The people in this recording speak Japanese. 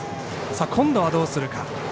今度はどうするか。